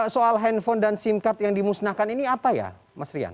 soal handphone dan sim card yang dimusnahkan ini apa ya mas rian